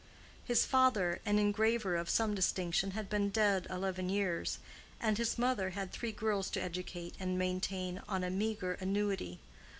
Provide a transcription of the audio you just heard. His father, an engraver of some distinction, had been dead eleven years, and his mother had three girls to educate and maintain on a meagre annuity.